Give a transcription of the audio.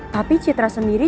tapi citra sendiri